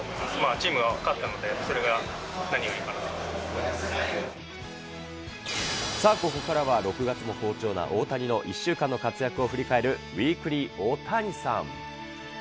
チームが勝ったので、それが何よさあ、ここからは６月も好調な大谷の１週間の活躍を振り返る、ウィークリーオオタニサン！